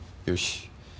よし。